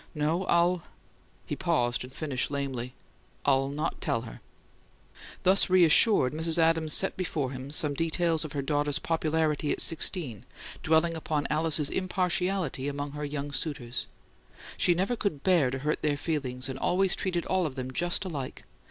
"No, I'll " He paused, and finished lamely: "I'll not tell her." Thus reassured, Mrs. Adams set before him some details of her daughter's popularity at sixteen, dwelling upon Alice's impartiality among her young suitors: "She never could BEAR to hurt their feelings, and always treated all of them just alike.